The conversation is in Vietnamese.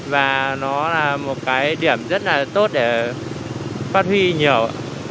và nó là một cái điểm rất là tốt để phát huy nhiều